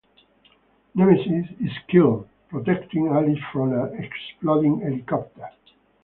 Nemesis is killed, protecting Alice from an exploding helicopter.